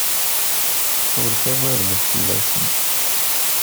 Ur ttaggademt fell-asen.